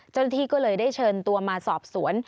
เจ้าหน้าที่ก็เลยได้เชิญตัวมาสอบสวน